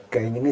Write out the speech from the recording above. cái những cái